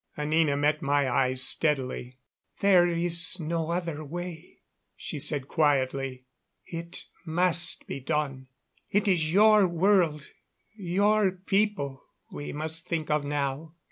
Anina met my eyes steadily. "There is no other way," she said quietly. "It must be done. It is your world your people we must think of now.